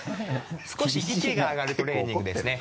少し息があがるトレーニングですね。